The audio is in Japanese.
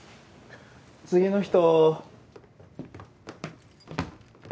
次の人。